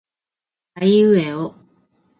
aiueo